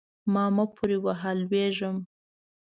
ما مه پورې وهه؛ لوېږم.